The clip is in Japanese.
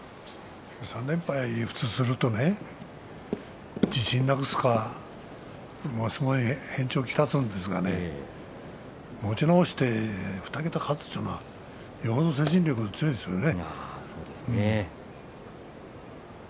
３連敗するとね普通はね、自信なくすか相撲に変調を来すんですけどね持ち直して２桁勝つというのはよほど精神力が強いんですね。